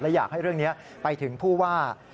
อยากให้เรื่องนี้ไปถึงผู้ว่า